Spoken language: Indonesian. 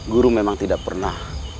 guru memang tidak pernah